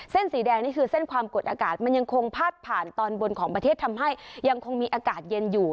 สีแดงนี่คือเส้นความกดอากาศมันยังคงพาดผ่านตอนบนของประเทศทำให้ยังคงมีอากาศเย็นอยู่